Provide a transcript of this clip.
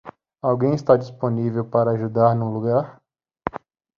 Alguém está disponível para ajudar no lugar?